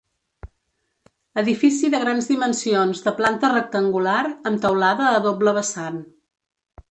Edifici de grans dimensions de planta rectangular amb teulada a doble vessant.